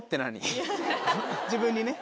自分にね。